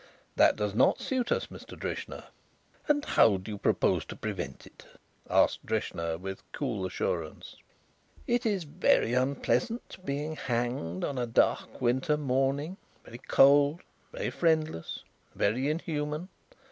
That does not suit us, Mr. Drishna." "And how do you propose to prevent it?" asked Drishna, with cool assurance. "It is very unpleasant being hanged on a dark winter morning; very cold, very friendless, very inhuman.